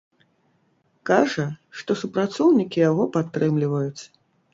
Кажа, што супрацоўнікі яго падтрымліваюць.